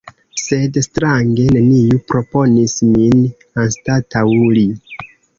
Sed strange: neniu proponis min anstataŭ li!